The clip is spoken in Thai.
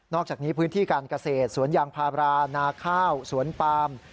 อกจากนี้พื้นที่การเกษตรสวนยางพารานาข้าวสวนปาม